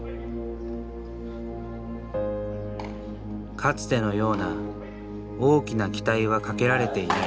かつてのような大きな期待はかけられていない。